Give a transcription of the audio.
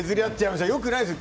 良くないですよ。